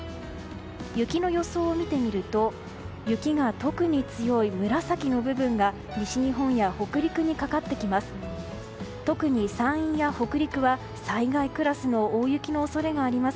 雪の予想を見てみると雪が特に強い紫の部分が西日本や北陸にかかってきます。